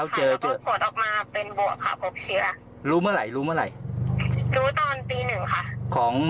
ช่วยประสานเตียงค่ะ